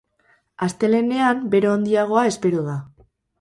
Astelehenean bero handiagoa espero da.